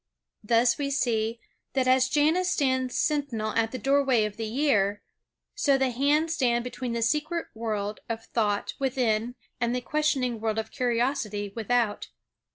Thus we see, that as Janus stands sentinel at the doorway of the year, so the hands stand between the secret world of thought within and the questioning world of curiosity without.